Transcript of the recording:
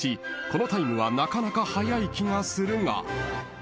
このタイムはなかなか速い気がするが］